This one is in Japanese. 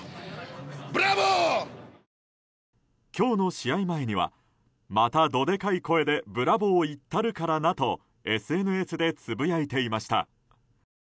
今日の試合前には「またどでかい声でブラボー言ったるからな」とＳＮＳでつぶやいていました。